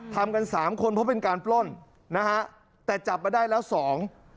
ทำกันสามคนเพราะเป็นการปล้นนะฮะแต่จับมาได้แล้วสอง